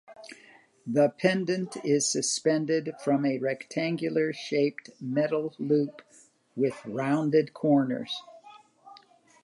The pendant is suspended from a rectangular shaped metal loop with rounded corners.